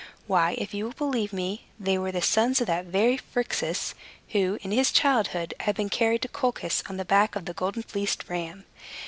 Why, if you will believe me, they were the sons of that very Phrixus, who, in his childhood, had been carried to Colchis on the back of the golden fleeced ram.